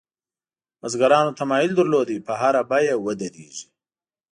بزګرانو تمایل درلود په هره بیه ودرېږي.